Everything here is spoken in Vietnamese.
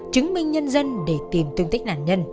chứng minh nhân dân để tìm tương tích nạn nhân